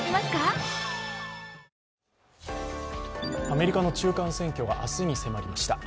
アメリカの中間選挙が明日に迫りました。